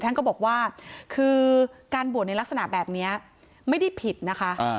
ท่านก็บอกว่าคือการบวชในลักษณะแบบนี้ไม่ได้ผิดนะคะ